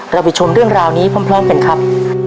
ไปชมเรื่องราวนี้พร้อมกันครับ